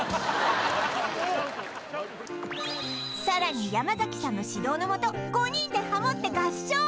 さらに山崎さんの指導のもと５人でハモって合唱！